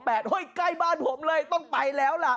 ใกล้บ้านผมเลยต้องไปแล้วล่ะ